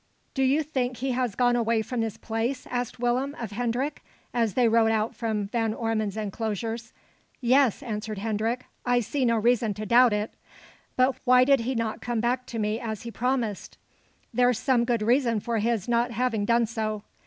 "Do you think he has gone away from this place?" asked Willem of Hendrik, as they rode out from Van Ormon's enclosures. "Yes," answered Hendrik; "I see no reason to doubt it." "But why did he not come to me, as he promised?" "There's some good reason for his not having done so."